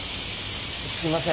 すみません